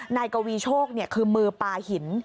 นายกวีโชคคือมือปลาหิน